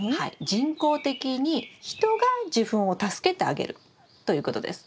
人工的に人が受粉を助けてあげるということです。